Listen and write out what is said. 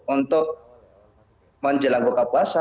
untuk menjelang buka puasa